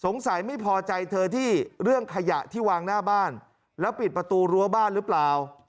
ไม่พอใจเธอที่เรื่องขยะที่วางหน้าบ้านแล้วปิดประตูรั้วบ้านหรือเปล่า